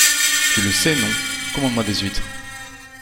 Tu le sais, non? Commande-moi des huîtres.